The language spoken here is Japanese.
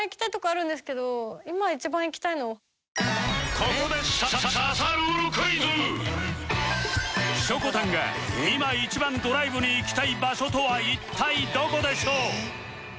ここでしょこたんが今一番ドライブに行きたい場所とは一体どこでしょう？